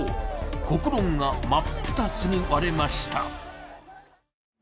国論が真っ二つに割れました。